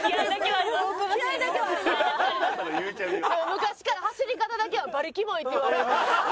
昔から走り方だけは「バリきもい」って言われます。